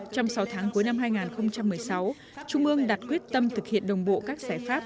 trong sáu tháng cuối năm hai nghìn một mươi sáu trung ương đặt quyết tâm thực hiện đồng bộ các giải pháp